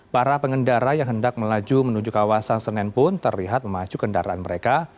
para pengendara yang hendak melaju menuju kawasan senen pun terlihat memacu kendaraan mereka